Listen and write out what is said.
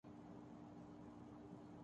تو معاشی کیوں ناجائز ٹھہری؟